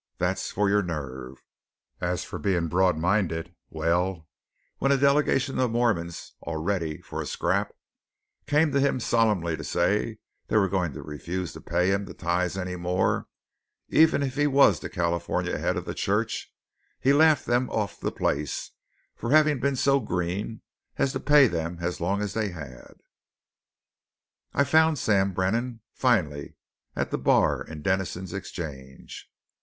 That's for your nerve. As for being broad minded well, when a delegation of the Mormons, all ready for a scrap, came to him solemnly to say that they were going to refuse to pay him the tithes any more, even if he was the California head of the church, he laughed them off the place for having been so green as to pay them as long as they had.' "I found Sam Brannan, finally, at the bar in Dennison's Exchange."